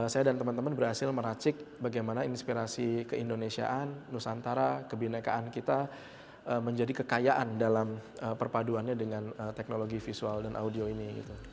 saya dan teman teman berhasil meracik bagaimana inspirasi keindonesiaan nusantara kebinekaan kita menjadi kekayaan dalam perpaduannya dengan teknologi visual dan audio ini